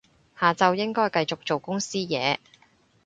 下晝應該繼續做公司嘢